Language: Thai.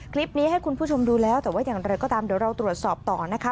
คลิปนี้ให้คุณผู้ชมดูแล้วแต่ว่าอย่างไรก็ตามเดี๋ยวเราตรวจสอบต่อนะคะ